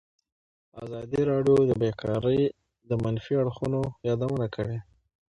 ازادي راډیو د بیکاري د منفي اړخونو یادونه کړې.